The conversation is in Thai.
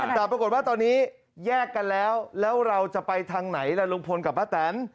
แต่ปรากฏว่าตอนนี้แยกกันแล้วแล้วเราจะไปทางไหนล่ะลุงพลกับป้าแตน